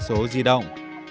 doanh số di động